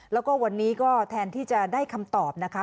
แล้วก็วันนี้ก็แทนที่จะได้คำตอบนะคะ